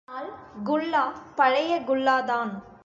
ஆனால் குல்லா பழைய குல்லாதான்.